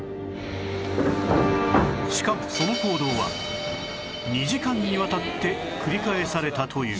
しかもその行動は２時間にわたって繰り返されたという